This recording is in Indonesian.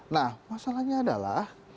nah masalahnya adalah